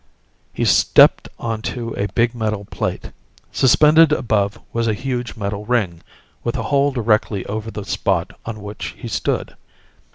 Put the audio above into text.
He stepped onto a big metal plate. Suspended above was a huge metal ring, with its hole directly over the spot on which he stood.